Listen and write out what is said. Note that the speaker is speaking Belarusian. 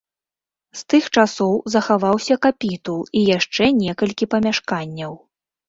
З тых часоў захаваўся капітул і яшчэ некалькі памяшканняў.